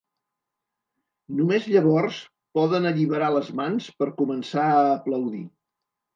Només llavors poden alliberar les mans per començar a aplaudir.